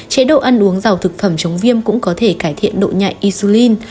chế độ ăn uống dầu thực phẩm chống viêm cũng có thể cải thiện độ nhạy insulin